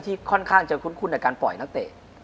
ค่อนข้างจะคุ้นในการปล่อยนักเตะ